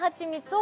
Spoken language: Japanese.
を